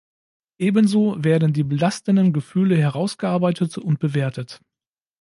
Ebenso werden die belastenden Gefühle herausgearbeitet und bewertet.